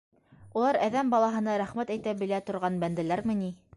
Улар әҙәм балаһына рәхмәт әйтә белә торған бәндәләрме ни!